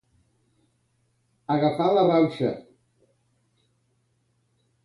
Agafar la rauxa.